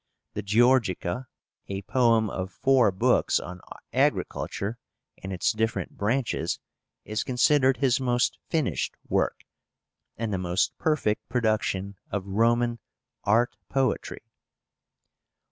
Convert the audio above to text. The Georgica, a poem of four books on agriculture in its different branches, is considered his most finished work, and the most perfect production of Roman art poetry.